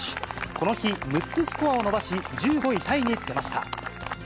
この日６つスコアを伸ばし、１５位タイにつけました。